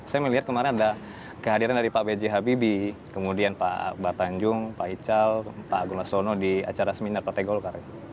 saya melihat kemarin ada kehadiran dari pak b j habibie kemudian pak akbar tanjung pak ical pak agung lasono di acara seminar partai golkar